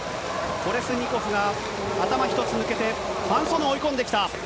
コレスニコフが頭一つ抜けて、ファン・ソヌ、追い込んできました。